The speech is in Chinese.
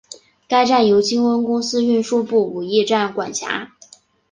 该站由金温公司运输部武义站管辖。